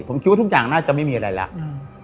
ผมคิดว่าทุกอย่างน่าจะไม่มีอะไรแล้ว